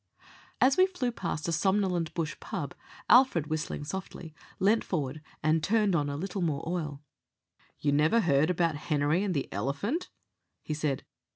As we flew past a somnolent bush pub, Alfred, whistling softly, leant forward and turned on a little more oil. "You never heard about Henery and the elephant?" he said.